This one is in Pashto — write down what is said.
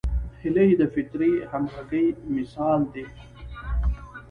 هیلۍ د فطري همغږۍ مثال ده